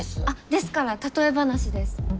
ですから例え話です。